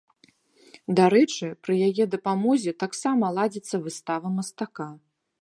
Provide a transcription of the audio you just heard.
Дарэчы, пры яе дапамозе таксама ладзіцца выстава мастака.